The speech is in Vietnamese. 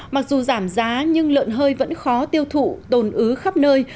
mặc dù giảm giá nhưng lợn hơi vẫn khó tiêu thụ tồn ứ khắp nơi